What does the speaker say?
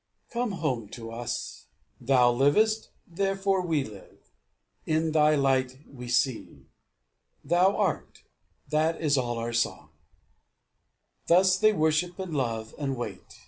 Come home to us. Thou livest; therefore we live. In thy light we see. Thou art that is all our song." Thus they worship, and love, and wait.